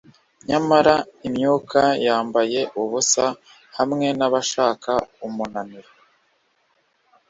Nyamara imyuka yambaye ubusa hamwe nabashaka umunaniro